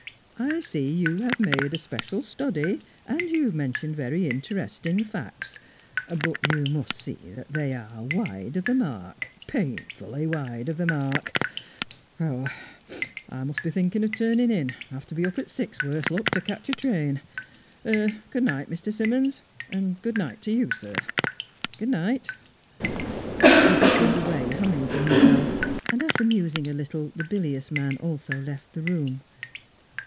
I see you have made a special study and you've mentioned very interesting facts; but you must see that they are wide of the mark painfully wide of the mark I must be thinking of turning in; have to be up at six, worse luck, to catch a train. Good night, Mr. Simmonds! Good night to you, sir good night!" He bustled away, humming to himself; and, after musing a little, the bilious man also left the room.